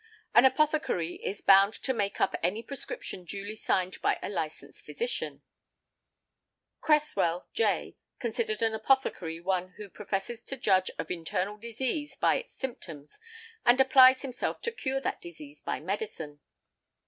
An apothecary is bound to make up any prescription duly signed by a licensed physician . Creswell, J., considered an apothecary one "who professes to judge of internal disease by its symptoms, and applies himself to cure that disease by medicine."